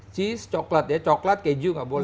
cheese coklat ya coklat keju gak boleh